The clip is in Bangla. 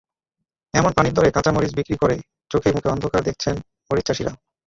এমন পানির দরে কাঁচা মরিচ বিক্রি করে চোখে-মুখে অন্ধকার দেখছেন মরিচচাষিরা।